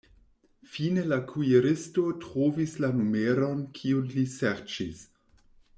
Fine la kuiristo trovis la numeron, kiun li serĉis.